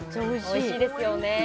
おいしいですよね